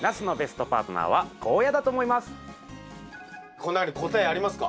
この中に答えありますか？